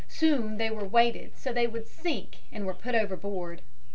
Soon they were weighted so they would sink and were put overboard.